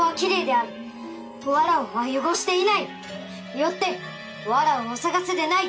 よってわらわを捜すでない！